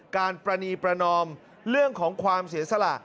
ประนีประนอมเรื่องของความเสียสละ